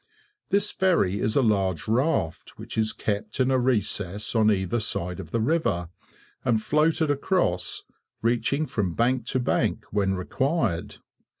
This ferry is a large raft, which is kept in a recess on either side of the river, and floated across, reaching from bank to bank when required.